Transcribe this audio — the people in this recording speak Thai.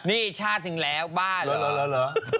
นี่ชาติถึงแล้วบ้าเหรอ